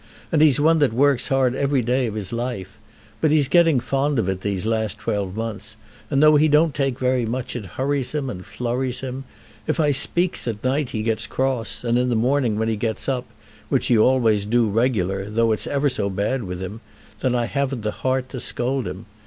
And he's one that works hard every day of his life. But he's getting fond of it these last twelve months, and though he don't take very much it hurries him and flurries him. If I speaks at night he gets cross; and in the morning when he gets up, which he always do regular, though it's ever so bad with him, then I haven't the heart to scold him.